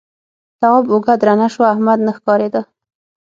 تواب اوږه درنه شوه احمد نه ښکارېده.